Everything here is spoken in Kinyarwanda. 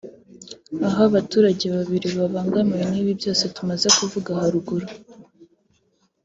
aho abaturage babiri babangamiwe n’ibi byose tumaze kuvuga haruguru